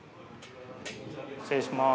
失礼します。